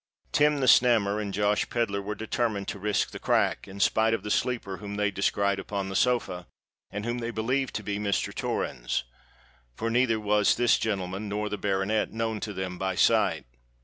Tim the Snammer and Josh Pedler were determined to risk "the crack," in spite of the sleeper whom they descried upon the sofa, and whom they believed to be Mr. Torrens; for neither was this gentleman nor the baronet known to them by sight.